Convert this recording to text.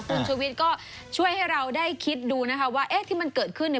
คุณชูวิสก็ช่วยให้เราได้คิดดูว่าที่มันเกิดขึ้น